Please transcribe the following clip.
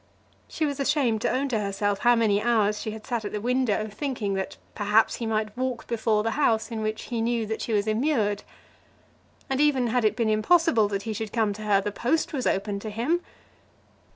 She was ashamed to own to herself how many hours she had sat at the window, thinking that, perhaps, he might walk before the house in which he knew that she was immured. And, even had it been impossible that he should come to her, the post was open to him.